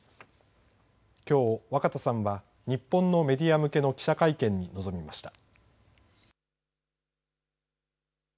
きょう若田さんは日本のメディア向けの記者会見に臨みました。